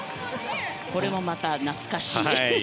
これもまた懐かしいですね。